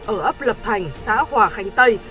ở ấp lập thành xã hòa khánh tây